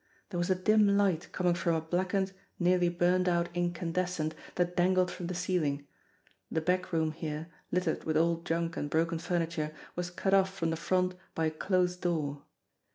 There was a dim light coming from a blackened, nearly burned out incandescent that dangled from the ceiling. The back room here, littered with old junk and broken furniture, was cut off from the front by a closed door.